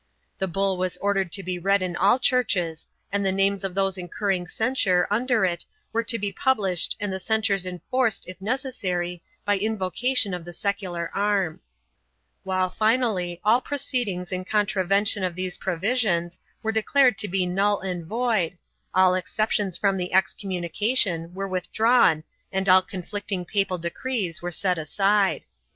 The bull was ordered to be read in all churches and the names of those incurring censure under it were to be published and the censures enforced if neces sary by invocation of the secular arm; while finally all proceed ings in contravention of these provisions were declared to be null and void, all exceptions from excommunication were withdrawn and all conflicting papal decrees were set aside.